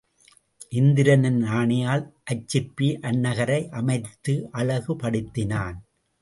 இந்திரனின் ஆணையால் அச்சிற்பி அந்நகரை அமைத்து அழகு படுத்தினான்.